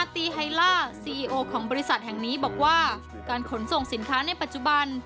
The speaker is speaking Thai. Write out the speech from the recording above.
อ่าทีไฮล่าเข้าของบริษัทอย่างนี้บอกว่าการขนส่งสินค้าในประจบบัน